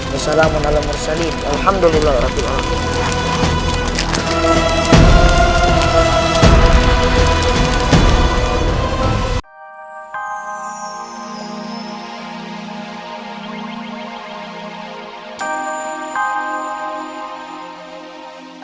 wassalamualaikum warahmatullahi wabarakatuh